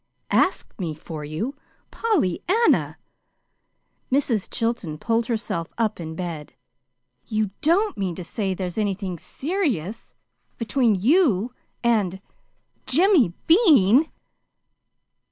"Asks me for you! Pollyanna!" Mrs. Chilton pulled herself up in bed. "You don't mean to say there's anything SERIOUS between you and Jimmy Bean!"